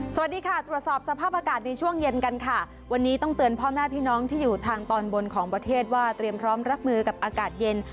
สวัสดีค่ะตรวจสอบสภาพอากาศในช่วงเย็นกันค่ะวันนี้ต้องเตือนพ่อแม่พี่น้องที่อยู่ทางตอนบนของประเทศว่าเตรียมพร้อมรับมือกับอากาศเย็น